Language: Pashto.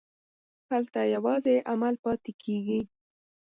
هلته یوازې عمل پاتې کېږي.